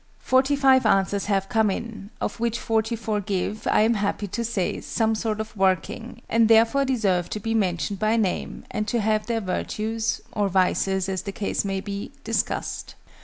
Forty five answers have come in, of which 44 give, I am happy to say, some sort of working, and therefore deserve to be mentioned by name, and to have their virtues, or vices as the case may be, discussed.